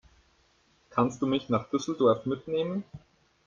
Kannst du mich nach Düsseldorf mitnehmen?